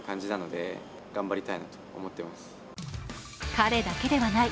彼だけではない。